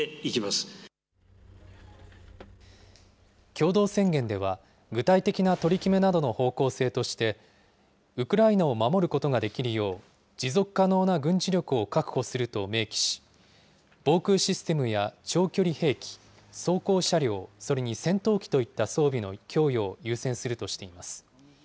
共同宣言では、具体的な取り決めなどの方向性として、ウクライナを守ることができるよう持続可能な軍事力を確保すると明記し、防空システムや長距離兵器、装甲車両、それに戦闘機といった装備の供与を優先するとしています。